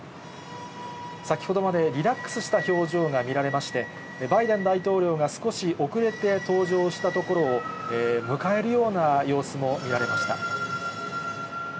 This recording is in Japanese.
先ほどまでリラックスした表情が見られまして、バイデン大統領が少し遅れて登場したところを、迎えるような様子も見られました。